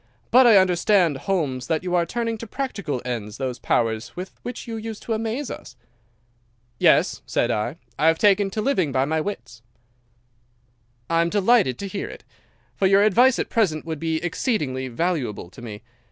But I understand, Holmes, that you are turning to practical ends those powers with which you used to amaze us?' "'Yes,' said I, 'I have taken to living by my wits.' "'I am delighted to hear it, for your advice at present would be exceedingly valuable to me.